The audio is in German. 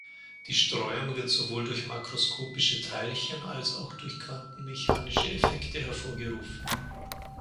Die Streuung wird sowohl durch makroskopische Teilchen als auch durch quantenmechanische Effekte hervorgerufen.